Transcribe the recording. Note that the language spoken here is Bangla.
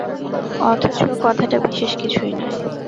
অথচ, কথাটা বিশেষ কিছুই নয়।